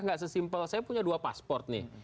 nggak sesimpel saya punya dua pasport nih